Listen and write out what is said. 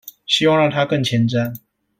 希望讓他更前瞻